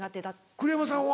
栗山さんは。